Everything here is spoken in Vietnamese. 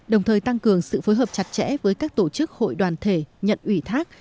đồng thời tăng cường sự phối hợp chặt chẽ với các tổ chức hội đoàn thể nhận ủy thác